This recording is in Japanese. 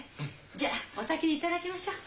じゃお先にいただきましょう。